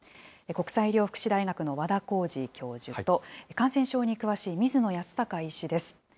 国際医療福祉大学の和田耕治教授と、感染症に詳しい水野泰孝医師です。